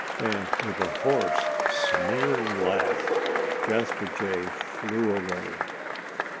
And with a hoarse, sneering laugh Jasper Jay flew away.